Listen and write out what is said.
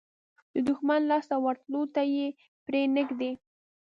د دښمن لاس ته ورتلو ته یې پرې نه ږدي.